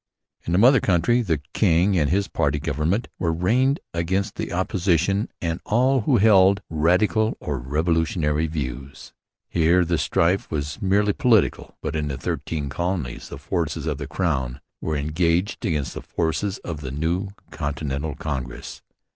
In the mother country the king and his party government were ranged against the Opposition and all who held radical or revolutionary views. Here the strife was merely political. But in the Thirteen Colonies the forces of the Crown were ranged against the forces of the new Continental Congress.